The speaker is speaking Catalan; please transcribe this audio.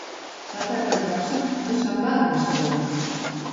La taca grossa no se'n va amb sabó.